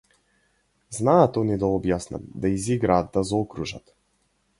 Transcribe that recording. Знаат они да објаснат, да изиграат, да заокружат.